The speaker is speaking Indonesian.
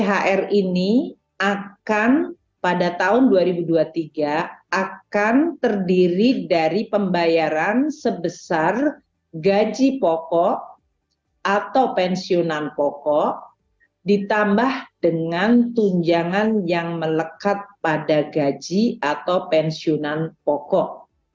thr ini akan pada tahun dua ribu dua puluh tiga akan terdiri dari pembayaran sebesar gaji pokok atau pensiunan pokok ditambah dengan tunjangan yang melekat pada gaji atau pensiunan pokok